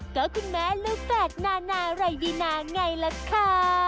ก็คุณแม่ลูกแฝดนานาไรดีนาไงล่ะค่ะ